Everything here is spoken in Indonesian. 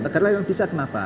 negara lain bisa kenapa